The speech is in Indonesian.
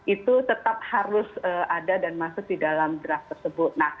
itu tetap harus ada dan masuk di dalam draft tersebut